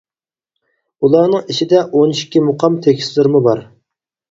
ئۇلارنىڭ ئىچىدە ئون ئىككى مۇقام تېكىستلىرىمۇ بار.